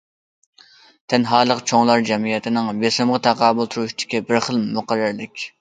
تەنھالىق چوڭلار جەمئىيىتىنىڭ بېسىمىغا تاقابىل تۇرۇشتىكى بىر خىل مۇقەررەرلىك.